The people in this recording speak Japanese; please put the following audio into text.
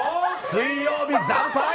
水曜日、惨敗。